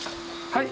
はい。